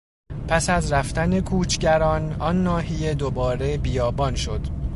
پس از رفتن کوچگران، آن ناحیه دوباره بیابان شد.